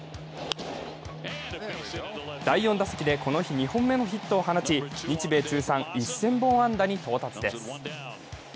第４打席で、この日２本目のヒットを放ち、日米通算１０００本安打に到達です。